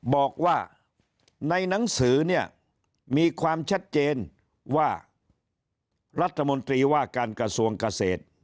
บอกว่าในหนังสือเนี่ยมีความชัดเจนว่ารัฐมนตรีว่าการกระทรวงเกษตร